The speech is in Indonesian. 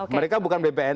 mereka bukan bpn